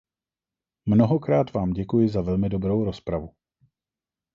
Mnohokrát vám děkuji za velmi dobrou rozpravu.